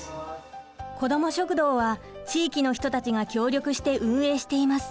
子ども食堂は地域の人たちが協力して運営しています。